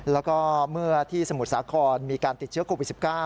แล้วก็เมื่อที่สมุทรสาครมีการติดเชื้อโควิด๑๙